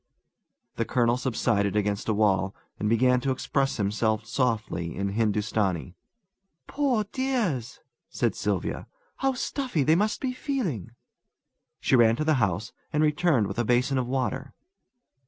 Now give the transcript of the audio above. The colonel subsided against a wall, and began to express himself softly in Hindustani. "Poor dears!" said Sylvia. "How stuffy they must be feeling!" She ran to the house, and returned with a basin of water.